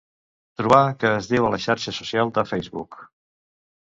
Trobar què es diu a la xarxa social de Facebook.